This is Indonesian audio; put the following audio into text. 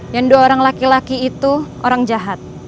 yang dua orang laki laki itu orang jahat